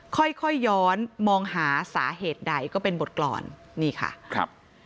ค่อยค่อยย้อนมองหาสาเหตุใดก็เป็นบทกรรมนี่ค่ะครับ